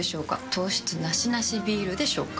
糖質ナシナシビールでしょうか？